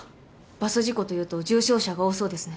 バス事故というと重傷者が多そうですね。